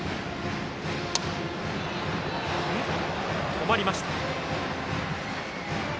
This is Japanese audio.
止まりました。